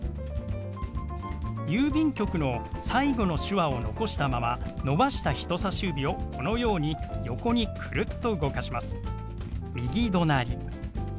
「郵便局」の最後の手話を残したまま伸ばした人さし指をこのように横にクルッと動かします。